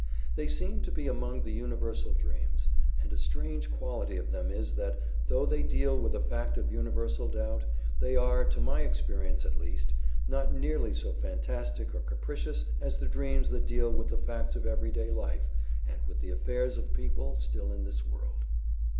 They seem to be among the universal dreams, and a strange quality of them is that, though they deal with a fact of universal doubt, they are, to my experience at least, not nearly so fantastic or capricious as the dreams that deal with the facts of every day life and with the affairs of people still in this world.